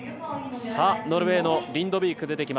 ノルウェーのリンドビーク。